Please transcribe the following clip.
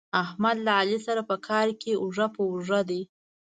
احمد له علي سره په کار کې اوږه په اوږه دی.